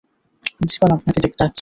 Principal আপনাকে ডাকছেন।